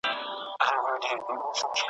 د ونو سیوري تاریک کړی وو .